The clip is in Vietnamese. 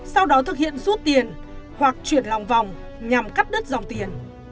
sau đó thực hiện rút tiền hoặc chuyển lòng vòng nhằm cắt đứt dòng tiền